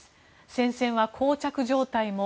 戦線はこう着状態も。